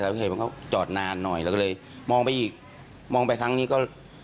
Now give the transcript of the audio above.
ก็เห็นว่าเขาจอดนานหน่อยแล้วก็เลยมองไปอีกมองไปครั้งนี้ก็